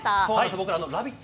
僕ら「ラヴィット！」